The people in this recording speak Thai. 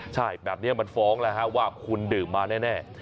ใช่แบบนี้มันฟ้องแล้วว่าคุณดื่มมาแน่